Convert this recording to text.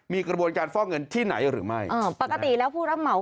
มีกระบวนการฟอกเงินที่ไหนหรือไม่อ่าปกติแล้วผู้รับเหมา